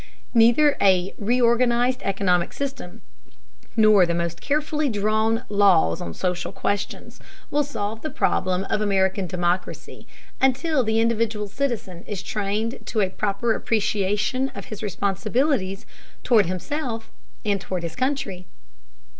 Neither a reorganized economic system, nor the most carefully drawn laws on social questions will solve the problems of American democracy until the individual citizen is trained to a proper appreciation of his responsibilities toward himself and toward his country.